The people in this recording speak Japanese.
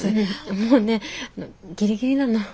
もうねギリギリなの。